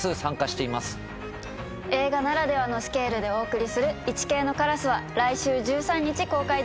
映画ならではのスケールでお送りする『イチケイのカラス』は来週１３日公開です。